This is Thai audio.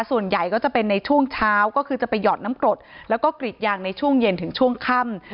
ส่วนใหญ่ก็จะเป็นในช่วงเช้าก็คือจะไปหยอดน้ำกรดแล้วก็กรีดยางในช่วงเย็นถึงช่วงค่ำ